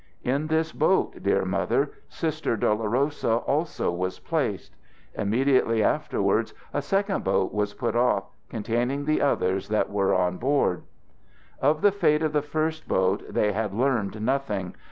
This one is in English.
In this boat, dear Mother, Sister Dolorosa also was placed. Immediately afterwards a second boat was put off, containing the others that were on board. "Of the fate of the first boat they had learned nothing.